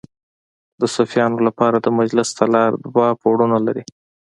د صوفیانو لپاره د مجلس تالار دوه پوړونه لري.